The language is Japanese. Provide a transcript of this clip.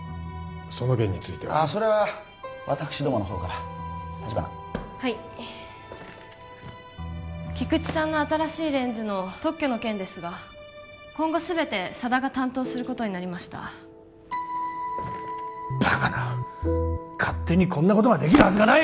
その件についてはそれは私どもの方から立花はい菊池さんの新しいレンズの特許の件ですが今後すべて佐田が担当することになりましたバカな勝手にこんなことができるはずがない！